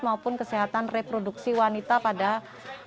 maupun kesehatan reproduksi wanita pada anak